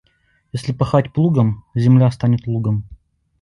Если пахать плугом, земля станет лугом.